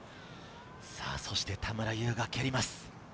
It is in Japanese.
そして田村優が蹴ります。